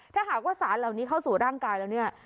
ถ้าหากว่าสารเหล่านี้เข้าสู่ร่างกายแล้วเนี่ย